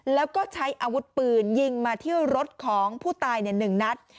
แล้วก็ใช้อาวุธปืนยิงมาเที่ยวรถของผู้ตาย๑นัด